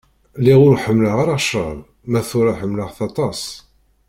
Lliɣ ur ḥemmleɣ ara ccṛab, ma d tura ḥemmlaɣ-t aṭas.